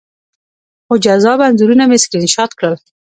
څو جذابه انځورونه مې سکرین شاټ کړل